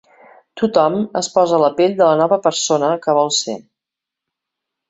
Tothom es posa a la pell de la nova persona que vol ser.